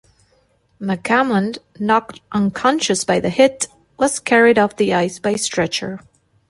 McAmmond, knocked unconscious by the hit, was carried off the ice by stretcher.